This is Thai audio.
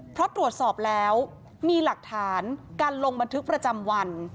เพราะตรวจสอบแล้วมีหลักฐานการลงบันทึกประจำวัน